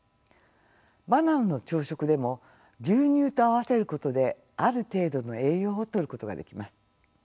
バナナの朝食でも牛乳と合わせることである程度の栄養をとることができます。